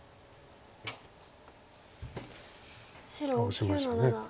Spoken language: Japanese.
オシました。